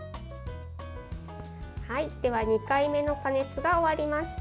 では、２回目の加熱が終わりました。